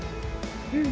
うん。